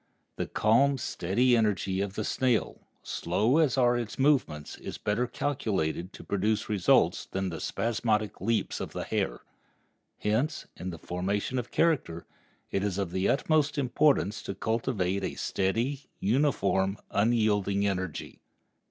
The calm, steady energy of the snail, slow as are its movements, is better calculated to produce results than the spasmodic leaps of the hare. Hence, in the formation of character, it is of the utmost importance to cultivate a steady, uniform, unyielding energy.